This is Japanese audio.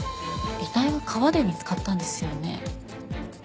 遺体は川で見つかったんですよね？